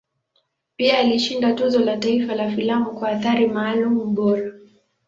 Pia alishinda Tuzo la Taifa la Filamu kwa Athari Maalum Bora.